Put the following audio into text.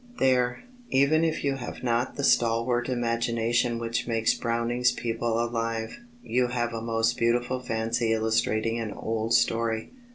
There, even if you have not the stalwart imagination which makes Browning's people alive, you have a most beautiful fancy illustrating an old story.